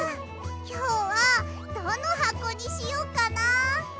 きょうはどのはこにしよっかな。